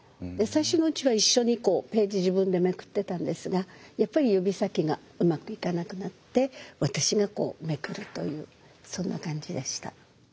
最初のうちは一緒にこうページ自分でめくってたんですがやっぱり指先がうまくいかなくなって私がこうめくるというそんな感じでした。